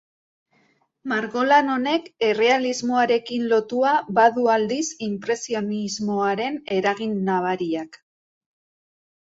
Margolan honek, errealismoarekin lotua, badu aldiz, inpresionismoaren eragin nabariak.